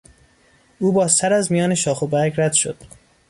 او با سر از میان شاخ و برگ رد شد.